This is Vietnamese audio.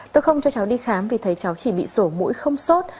tôi không cho cháu đi khám vì thấy cháu chỉ bị sổ mũi không sốt